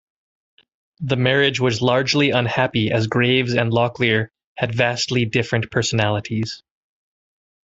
The marriage was largely unhappy as Graves and Locklear had vastly different personalities.